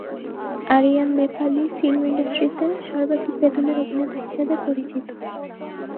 Aryan Nepali film ইন্ডাস্ট্রিতে সর্বাধিক বেতনের অভিনেতা হিসাবে পরিচিত।